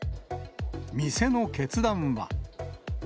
店の決断は。